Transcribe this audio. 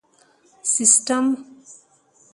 سیسټم